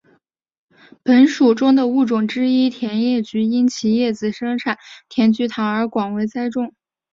本属中的物种之一甜叶菊因其叶子生产甜菊糖而广为栽种。